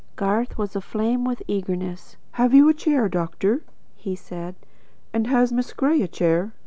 Garth was aflame With eagerness. "Have you a chair, doctor?" he said. "And has Miss Gray a chair?"